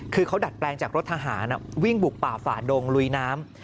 คือเขาดัดแปลงจากรถทหารวิ่งบุกป่าฝ่าดงลุยน้ำ